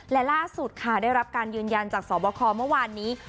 และล่าสุดค่ะได้รับการยืนยันจากสอบคอเมื่อวานนี้